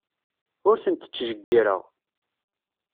Ur tent-ttjeyyireɣ.